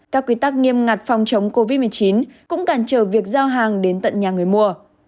các quy tắc nghiêm ngặt phòng chống covid một mươi chín cũng cản trở việc giao hàng đến tận nhà người mua